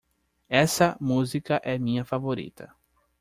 Essa música é minha favorita.